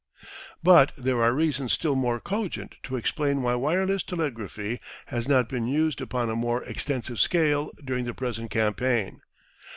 But there are reasons still more cogent to explain why wireless telegraphy has not been used upon a more extensive scale during the present campaign.